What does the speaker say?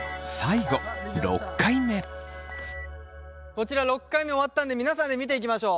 こちら６回目終わったんで皆さんで見ていきましょう。